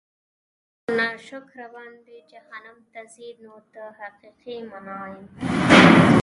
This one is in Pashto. په ناشکر باندي جهنّم ته ځي؛ نو د حقيقي مُنعِم